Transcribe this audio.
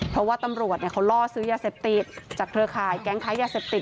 เพราะว่าตำรวจเขาล่อซื้อยาเสพติดจากเครือข่ายแก๊งค้ายาเสพติด